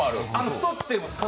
太ってます。